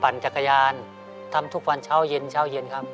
ปั่นจักรยานทำทุกวันเช้าเย็นครับ